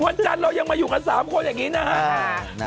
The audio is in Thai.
วันจันทร์เรายังมาอยู่กัน๓คนอย่างนี้นะฮะ